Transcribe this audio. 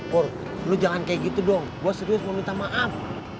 worl lo jangan kayak gitu dong gue serius mau minta maaf